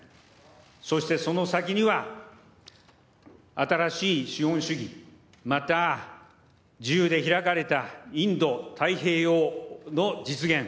そしてその先には新しい資本主義、また、自由で開かれたインド太平洋の実現。